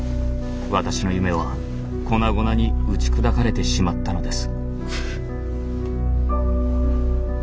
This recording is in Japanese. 私の夢は粉々に打ち砕かれてしまったのです。